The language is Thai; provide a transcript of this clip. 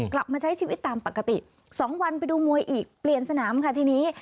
กลับมาใช้ชีวิตตามปกติ๒วันไปดูมวยอีกเปลี่ยนสนามค่ะทีนี้